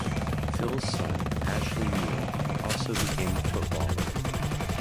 Phil's son, Ashley Neal, also became a footballer.